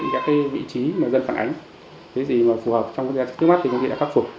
các vị trí mà dân phản ánh cái gì mà phù hợp trong cái giá trị trước mắt thì công ty đã khắc phục